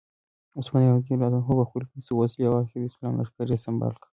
عثمان رض په خپلو پیسو وسلې واخیستې او د اسلام لښکر یې سمبال کړ.